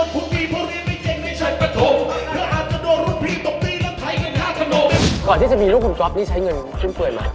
ก่อนที่จะมีลูกคุณก๊อบนี่ใช้เงินขึ้นเผื่อยไหม